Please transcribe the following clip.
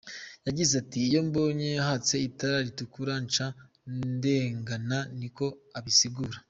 Yagize ati:"Iyo mbonye hatse itara ritukura nca ndengana" , nikwo abisigura.